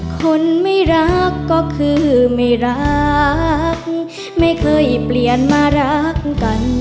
คนไม่รักก็คือไม่รักไม่เคยเปลี่ยนมารักกัน